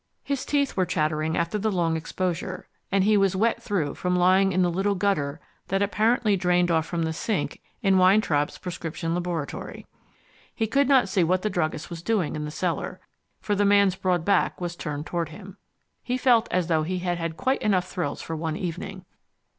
His teeth were chattering after the long exposure and he was wet through from lying in the little gutter that apparently drained off from the sink in Weintraub's prescription laboratory. He could not see what the druggist was doing in the cellar, for the man's broad back was turned toward him. He felt as though he had had quite enough thrills for one evening.